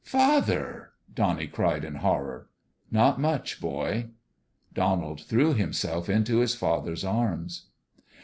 " Father !" Donnie cried, in horror. " Not much, boy." Donald threw himself into his father's arms.